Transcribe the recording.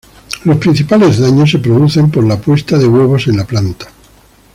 Los principales daños se producen por la puesta de huevos en la planta.